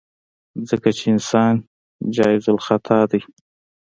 ځکه چې انسان جايزالخطا ديه.